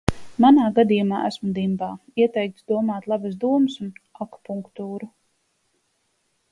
Manā gadījumā, esmu dimbā, ieteikts domāt labas domas un akupunktūru.